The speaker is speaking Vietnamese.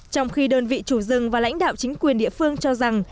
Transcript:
trong khi đơn vị chủ rừng và lãnh đạo chính quyền địa phương cho rằng